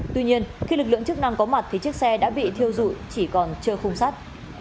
tuy nhiên khi lực lượng chức năng có mặt thì chiếc xe đã bị thiêu dụi chỉ còn trơ khung sắt